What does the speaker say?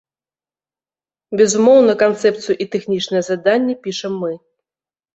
Безумоўна, канцэпцыю і тэхнічнае заданне пішам мы.